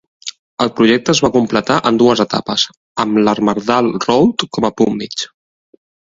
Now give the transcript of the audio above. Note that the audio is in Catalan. El projecte es va completar en dues etapes, amb l'Armadale Road com a punt mig.